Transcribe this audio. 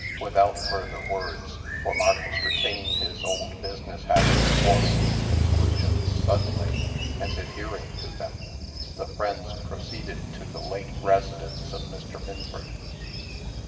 Without further words for Marcus retained his old business habit of forming his conclusions suddenly, and adhering to them the friends proceeded to the late residence of Mr. Minford.